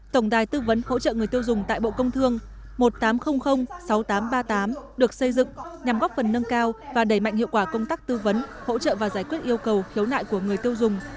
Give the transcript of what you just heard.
tổng đài tư vấn hỗ trợ người tiêu dùng tại bộ công thương một tám không không sáu tám ba tám được xây dựng nhằm góp phần nâng cao và đẩy mạnh hiệu quả công tác tư vấn hỗ trợ và giải quyết yêu cầu hiếu nại của người tiêu dùng